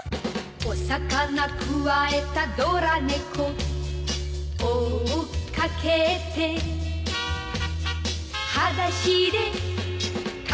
「お魚くわえたドラ猫」「追っかけて」「はだしでかけてく」